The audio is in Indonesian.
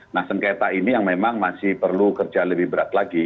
nah sengketa ini yang memang masih perlu kerja lebih berat lagi